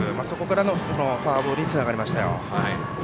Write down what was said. そこからのフォアボールにつながりました。